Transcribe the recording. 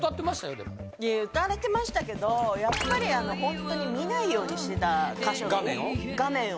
でも歌われてましたけどやっぱりホントに見ないようにしてた画面を？